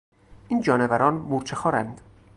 این جانوران مورچه خوارند.